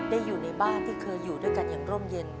อยู่ในบ้านที่เคยอยู่ด้วยกันอย่างร่มเย็น